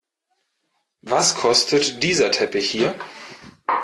Was kostet dieser Teppich hier?